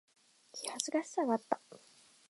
気恥ずかしさがあった。